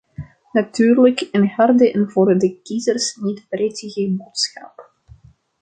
Natuurlijk, een harde en voor de kiezers niet prettige boodschap.